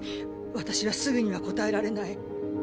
私はすぐには答えられない。